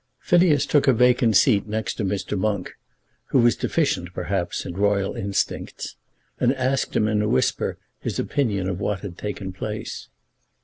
Phineas took a vacant seat next to Mr. Monk, who was deficient perhaps in royal instincts, and asked him in a whisper his opinion of what had taken place.